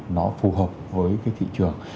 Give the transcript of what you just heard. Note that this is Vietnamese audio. nó phù hợp với cái thị trường